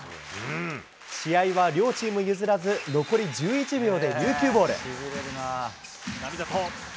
試合は両チーム譲らず、残り１１秒で琉球ボール。